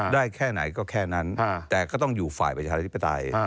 ได้แค่ไหนก็แค่นั้นแต่ก็ต้องอยู่ฝ่ายประชาธิปไตย